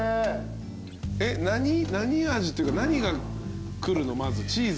えっ何味っていうか何がくるのまずチーズが？